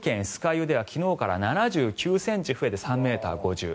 湯では昨日から７９ｃｍ増えて３ｍ５０ｃｍ。